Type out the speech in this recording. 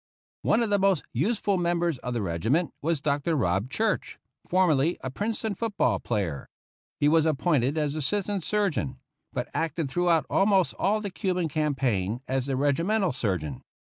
One of the most useful members of the regi ment was Dr. Robb Church, formerly a Princeton foot ball player. He was appointed as Assistant Surgeon, but acted throughout almost all the Cu ban campaign as the Regimental Surgeon.